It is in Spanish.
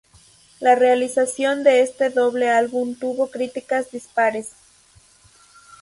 La realización de este doble álbum tuvo críticas dispares.